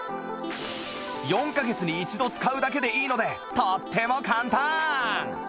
４カ月に１度使うだけでいいのでとっても簡単！